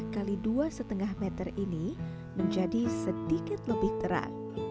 dua lima x dua lima meter ini menjadi sedikit lebih terat